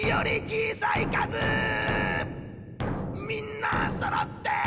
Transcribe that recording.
みんなそろって！